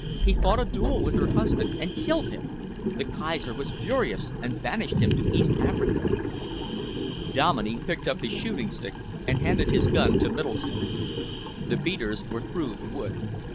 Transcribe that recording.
He fought a duel with her husband and killed him. The Kaiser was furious and banished him to East Africa." Dominey picked up his shooting stick and handed his gun to Middleton. The beaters were through the wood.